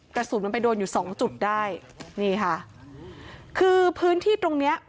กระสุนมันไปโดนอยู่สองจุดได้นี่ค่ะคือพื้นที่ตรงเนี้ย